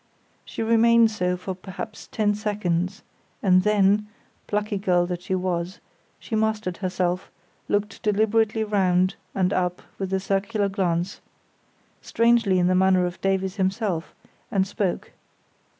She remained so for perhaps ten seconds, and then—plucky girl that she was—she mastered herself, looked deliberately round and up with a circular glance, strangely in the manner of Davies himself, and spoke.